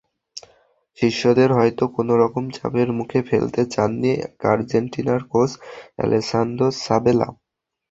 শিষ্যদের হয়তো কোনো রকম চাপের মুখে ফেলতে চাননি আর্জেন্টিনার কোচ আলেসান্দ্রো সাবেলা।